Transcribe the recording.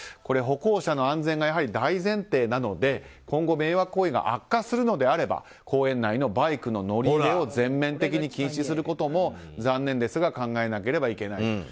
歩行者の安全がやはり大前提なので今後、迷惑行為が悪化するのであれば公園内のバイクの乗り入れを全面的に禁止することも残念ですが考えなければいけない。